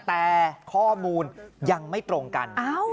แต่ข้อมูลยังไม่ตรงกัน